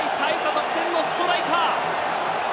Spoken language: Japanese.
得点のストライカー。